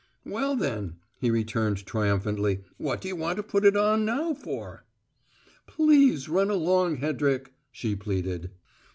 "Well, then," he returned triumphantly, "what do you want to put it on now for?" "Please run along, Hedrick," she pleaded.